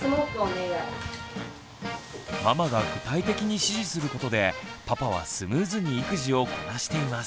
ママが具体的に指示することでパパはスムーズに育児をこなしています。